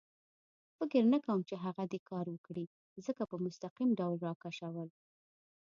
فکر نه کوم چې هغه دې کار وکړي، ځکه په مستقیم ډول را کشول.